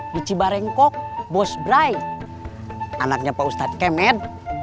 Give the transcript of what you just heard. bici barengkok bos brai anaknya pak ustadz kemed